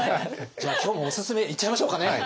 じゃあ今日もオススメいっちゃいましょうかね。